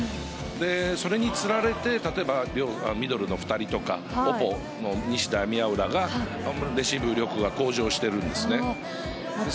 それにつられてミドルの２人とかオポジットの西田、宮浦がレシーブ力が向上してるんです。